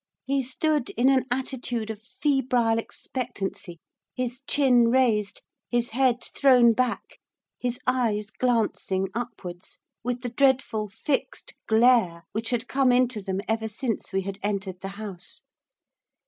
He stood in an attitude of febrile expectancy, his chin raised, his head thrown back, his eyes glancing upwards, with the dreadful fixed glare which had come into them ever since we had entered the house.